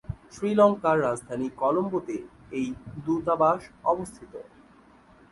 শ্রীলঙ্কার রাজধানী কলম্বোতে এই দূতাবাস অবস্থিত।